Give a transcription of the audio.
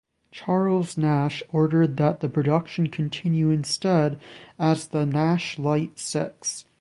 Charles Nash ordered that the production continue instead as the Nash Light Six.